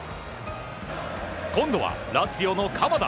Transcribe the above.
今度は、ラツィオの鎌田。